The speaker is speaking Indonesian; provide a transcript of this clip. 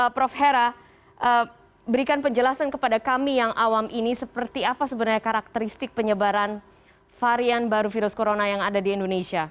prof hera berikan penjelasan kepada kami yang awam ini seperti apa sebenarnya karakteristik penyebaran varian baru virus corona yang ada di indonesia